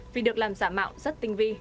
vì được làm giả mạo rất tinh vi